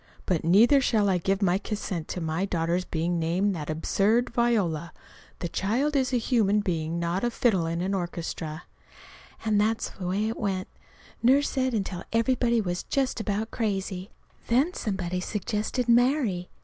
But neither shall I give my consent to my daughter's being named that absurd Viola. The child is a human being not a fiddle in an orchestra!" And that's the way it went, Nurse said, until everybody was just about crazy. Then somebody suggested "Mary."